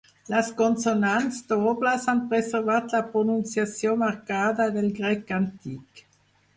Les consonants dobles han preservat la pronunciació marcada del grec antic.